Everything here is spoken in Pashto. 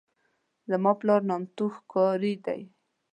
زما پلار نامتو ښکاري دی.